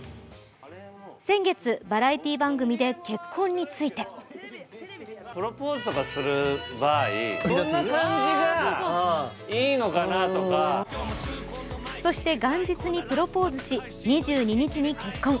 先月、バラエティー番組で結婚についてそして元日にプロポーズし２２日に結婚。